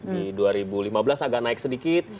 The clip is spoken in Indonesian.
di dua ribu lima belas agak naik sedikit